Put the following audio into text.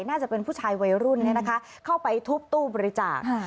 น่าจะเป็นผู้ชายวัยรุ่นเข้าไปทุบตู้บริจาค